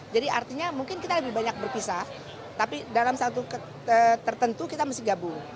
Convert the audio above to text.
jadi artinya mungkin kita lebih banyak berpisah tapi dalam satu tertentu kita mesti gabung